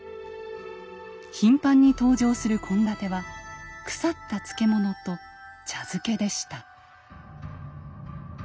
頻繁に登場する献立は「腐った漬物と茶漬け」でした。